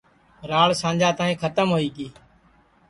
راڑ سانجا تائی کھتم ہوئی گی